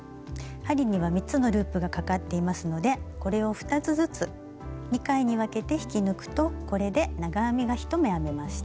針には３つのループがかかっていますのでこれを２つずつ２回に分けて引き抜くとこれで長編みが１目編めました。